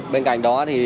bên cạnh đó